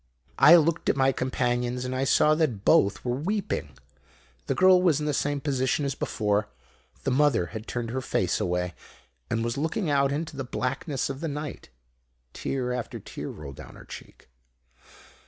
"I looked at my companions and I saw that both were weeping. The girl was in the same position as before. The mother had turned her face away, and was looking out into the blackness of the night. Tear after tear rolled down her cheek.